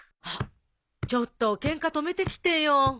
あっちょっとケンカ止めてきてよ。